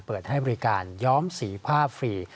เปิดให้บริการย้อมสีผ้าฟรี